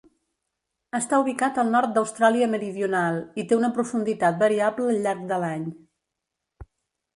Està ubicat al nord d'Austràlia Meridional i té una profunditat variable al llarg de l'any.